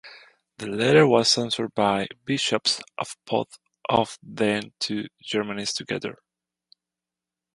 The letter was answered by bishops of both of the then-two Germanys together.